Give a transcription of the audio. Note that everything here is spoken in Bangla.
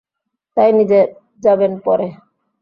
তাই নিজে যাবেন পরে।